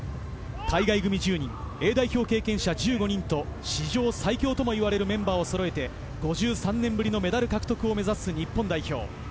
海外組１０人、Ａ代表経験者１５人と史上最強ともいわれるメンバーをそろえて、５３年ぶりのメダル獲得を目指す日本代表。